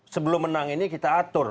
sebelum menang ini kita atur